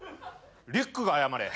リュックが謝れ。